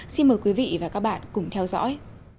xin mời quý vị và các bạn cùng theo dõi